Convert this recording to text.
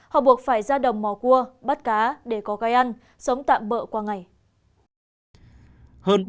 họ buộc phải ra đồng mò cua bắt cá để có cái ăn sống tạm bỡ qua ngày